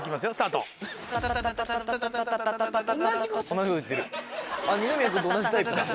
同じこと言ってる二宮君と同じタイプだ。